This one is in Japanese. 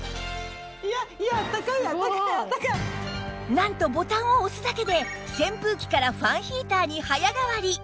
なんとボタンを押すだけで扇風機からファンヒーターに早変わり